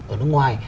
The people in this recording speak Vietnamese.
ở nước ngoài